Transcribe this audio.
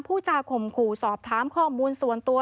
ผู้จาข่มขู่สอบถามข้อมูลส่วนตัว